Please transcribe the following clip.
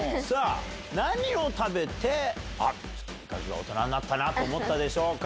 何を食べて味覚が大人になったと思ったでしょうか？